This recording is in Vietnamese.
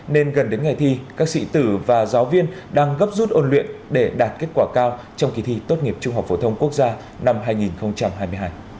nên gần đến ngày thi các sĩ tử và giáo viên đang gấp rút ôn luyện để đạt kết quả cao trong kỳ thi tốt nghiệp trung học phổ thông quốc gia năm hai nghìn hai mươi hai